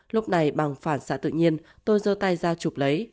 lúc này bằng phản xạ tự nhiên tôi dơ tay ra chụp lấy